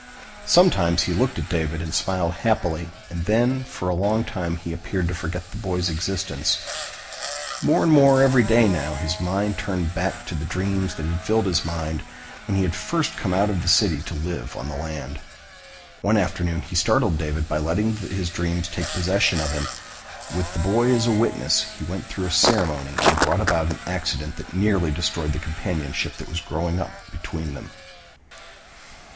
Sometimes he looked at David and smiled happily and then for a long time he appeared to forget the boy's existence. More and more every day now his mind turned back again to the dreams that had filled his mind when he had first come out of the city to live on the land. One afternoon he startled David by letting his dreams take entire possession of him. With the boy as a witness, he went through a ceremony and brought about an accident that nearly destroyed the companionship that was growing up between them.